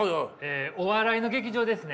お笑いの劇場ですね。